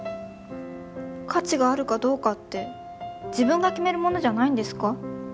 価値があるかどうかって自分が決めるものじゃないんですか？